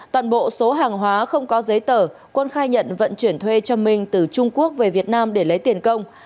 toàn bộ số hàng hóa không có giấy tờ quân khai nhận vận chuyển thuê cho minh từ trung quốc về việt nam để lấy tiền công